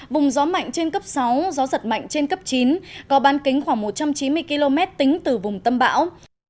vùng gió mạnh trên cấp sáu gió giật mạnh trên cấp chín có ban kính khoảng một trăm chín mươi km tính từ vùng tâm bão